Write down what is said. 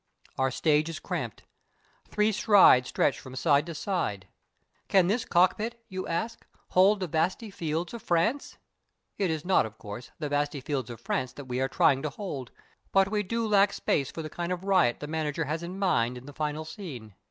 Our stage is cramped. Three strides stretch from side to side. "Can this cockpit" you ask, "hold the vasty fields of France?" It is not, of course, the vasty fields of France that we are trying to hold; but we do lack space for the kind of riot the manager has in mind in the final scene.